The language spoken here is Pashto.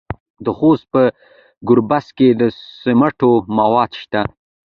د خوست په ګربز کې د سمنټو مواد شته.